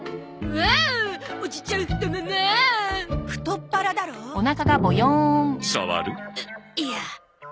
うっいや。